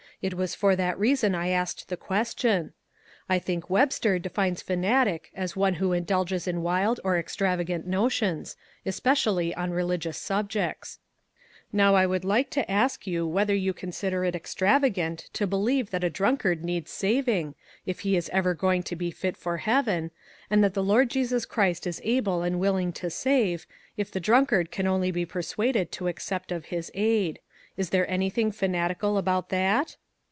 It was for that reason I asked the question. I think Webster defines fanatic as one who indulges in wild or extravagant notions, especially on religious subjects. Now I would like to ask you whether you con sider it extravagant to believe that a drunk ard needs saving, if he is ever going to be fit for heaven, and that the Lord Jesus Christ is able and willing to save, if the drunkard can only be persuaded to accept of his aid. Is there anything fanatical about that?"